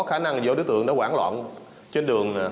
nên nạn nhân cũng không thể nhìn rõ đối tượng